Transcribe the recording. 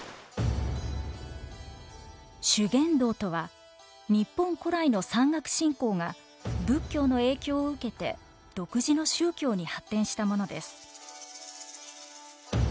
修験道とは日本古来の山岳信仰が仏教の影響を受けて独自の宗教に発展したものです。